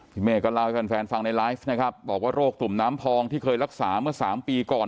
เมฆก็เล่าให้แฟนฟังในไลฟ์นะครับบอกว่าโรคตุ่มน้ำพองที่เคยรักษาเมื่อ๓ปีก่อน